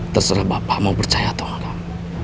terserah bapak mau percaya atau orang